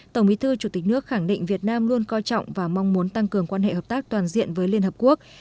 tổng bí thư chủ tịch nước khẳng định việt nam luôn coi trọng và mong muốn tăng cường quan hệ hợp tác toàn diện với liên hợp quốc